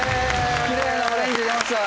キレイなオレンジ出ました。